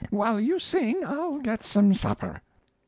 While you sing I'll get some supper."